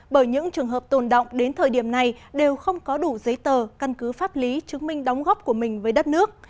bởi những trường hợp tồn động đến thời điểm này đều không có đủ giấy tờ căn cứ pháp lý chứng minh đóng góp của mình với đất nước